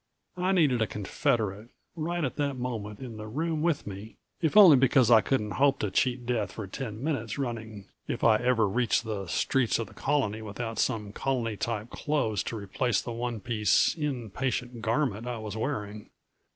I needed a confederate, right at that moment in the room with me, if only because I couldn't hope to cheat death for ten minutes running if I ever reached the streets of the Colony without some Colony type clothes to replace the one piece, in patient garment I was wearing.